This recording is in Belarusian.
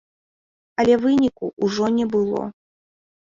Але выніку ўжо не было.